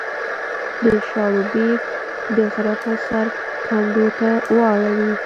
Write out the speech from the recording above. د شاړوبېک د غره په سر کنډو ته واوړې